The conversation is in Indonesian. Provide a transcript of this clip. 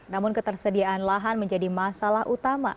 namun ketersediaan lahan menjadi masalah utama